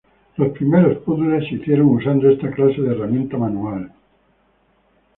Los primeros puzles se hicieron usando esta clase de herramienta manual.